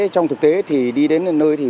trong thực tế thì đi đến nơi